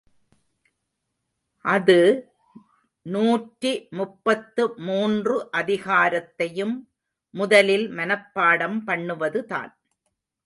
அது நூற்றி முப்பத்து மூன்று அதிகாரத்தையும் முதலில் மனப்பாடம் பண்ணுவதுதான்.